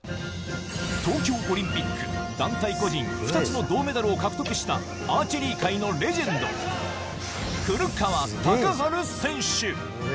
東京オリンピック団体、個人２つの銅メダルを獲得したアーチェリー界のレジェンド、古川高晴選手。